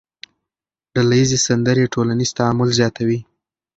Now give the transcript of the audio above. ډلهییزې سندرې ټولنیز تعامل زیاتوي.